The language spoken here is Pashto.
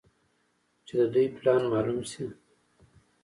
چې د دوى پلان مالوم سي.